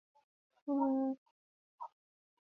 王剑钻石还将运送货物和人员至低地球轨道。